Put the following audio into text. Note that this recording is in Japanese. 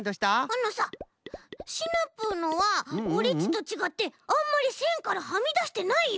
あのさシナプーのはオレっちとちがってあんまりせんからはみだしてないよ。